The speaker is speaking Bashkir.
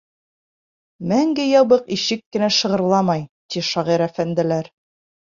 — Мәңге ябыҡ ишек кенә шығырламай, ти шағир әфәнделәр.